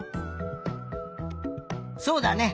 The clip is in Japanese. そうだね。